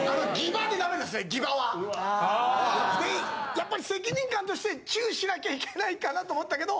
やっぱり責任感としてチューしなきゃいけないかなと思ったけど。